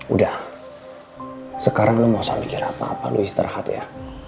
udah sekarang lo gak usah mikir apa apa lo istirahat ya